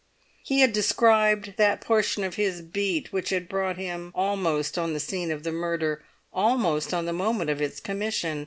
He had described that portion of his beat which had brought him almost on the scene of the murder, almost at the moment of its commission.